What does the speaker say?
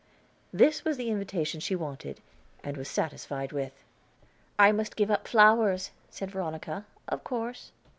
This was the invitation she wanted, and was satisfied with. "I must give up flowers," said Veronica, "of course."